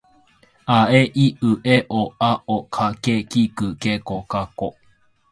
あえいうえおあおかけきくけこかこ